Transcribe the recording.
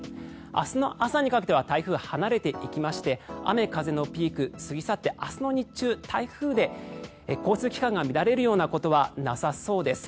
明日の朝にかけては台風は離れていきまして雨、風のピーク過ぎ去って明日の日中、台風で交通機関が乱れるようなことはなさそうです。